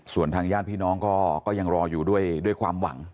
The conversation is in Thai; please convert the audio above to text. ส่วนทางญาติพี่น้องก็ยังรออยู่ด้วยความหวัง